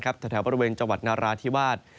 แถวบริเวณจังหวัดนาราธิวาส